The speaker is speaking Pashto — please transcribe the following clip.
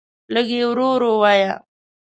لږ یی ورو ورو وایه